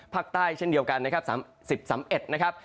ภาคใต้เช่นเดียวกันนะครับ๓๐๓๑นะครับ